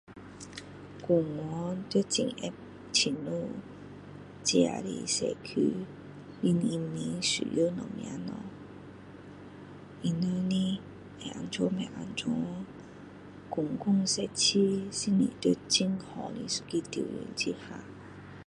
官员要很清楚自己的社区人民需要什么的东西他们的安全不安全公共设施是不是在很好的一个条件